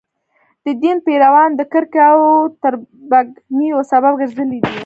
د دین پیروانو د کرکې او تربګنیو سبب ګرځېدلي دي.